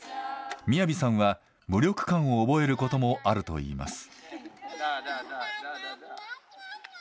ＭＩＹＡＶＩさんは無力感を覚えることもあるといいます。